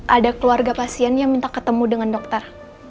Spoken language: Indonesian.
ada keluarga pasien yang minta ketemu dengan dokter